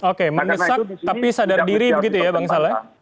oke mengesak tapi sadar diri begitu ya bang salah